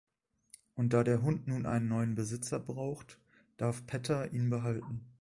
Und da der Hund nun einen neuen Besitzer braucht, darf Petter ihn behalten.